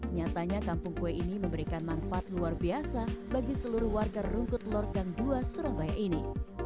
nyatanya kampung kue ini memberikan manfaat luar biasa bagi seluruh warga rungkut lor gang dua surabaya ini